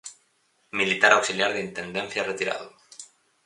Militar Auxiliar de Intendencia retirado.